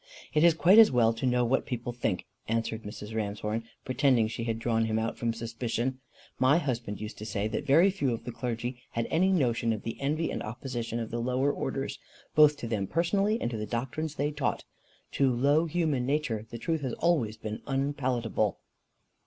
"It is quite as well to know what people think," answered Mrs. Ramshorn, pretending she had drawn him out from suspicion. "My husband used to say that very few of the clergy had any notion of the envy and opposition of the lower orders, both to them personally, and to the doctrines they taught. To low human nature the truth has always been unpalatable."